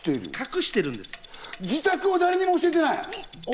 自宅を誰にも教えてない。